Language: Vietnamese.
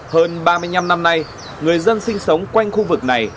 hơn ba mươi năm năm nay người dân sinh sống quanh khu vực này